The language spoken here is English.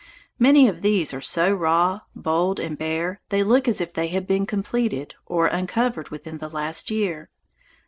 Many of these are so raw, bold, and bare, they look as if they had been completed or uncovered within the last year.